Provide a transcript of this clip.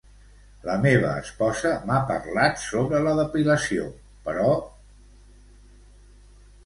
La meva esposa m'ha parlat sobre la depilació, però….